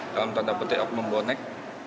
dalam tanda petik oknum bonek